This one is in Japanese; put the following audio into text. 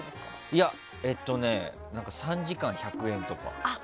いや、３時間１００円とか。